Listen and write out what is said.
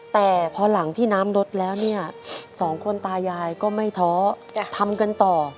แต่พอหลังที่น้ำลดแล้วเนี่ยสองคนตายายก็ไม่ท้อทำกันต่อ